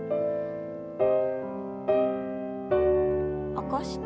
起こして。